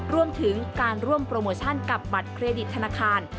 รวมถึงการร่วมโปรโมชั่นกับบัตรเครดิตธนาคาร